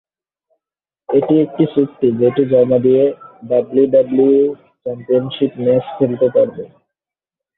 এটি একটি চুক্তি যেটি জমা দিয়ে ডাব্লিউডাব্লিউই চ্যাম্পিয়নশীপ ম্যাচ খেলতে পারবে।